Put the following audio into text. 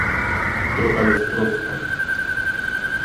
Droga jest prosta